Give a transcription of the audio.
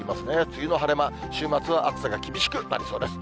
梅雨の晴れ間、週末は暑さが厳しくなりそうです。